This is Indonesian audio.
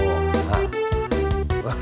satu satu satu